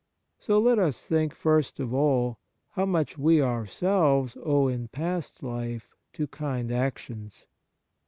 So let us think, first of all, how much we ourselves owe in past life to kind actions.